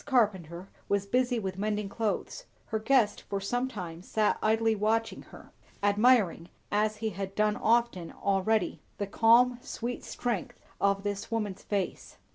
Carpenter was busy with mending clothes; her guest for some time sat idly watching her; admiring, as he had done often already, the calm, sweet strength of this woman's face.